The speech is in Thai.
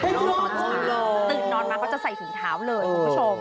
ตื่นนอนมาเขาจะใส่ถุงเท้าเลยคุณผู้ชม